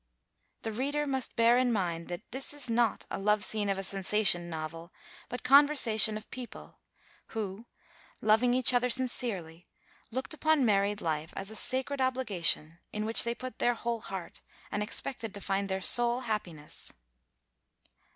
The reader must bear in mind that this is not a love scene of a sensation novel, but conversation of people, who, loving each other sincerely, looked upon married life as a sacred obligation, in which they put their whole heart, and expected to find their sole happiness.